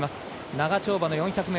長丁場の４００ｍ。